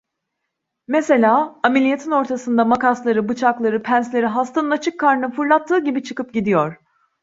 Mesela, ameliyatın ortasında makasları, bıçakları, pensleri hastanın açık karnına fırlattığı gibi çıkıp gidiyor.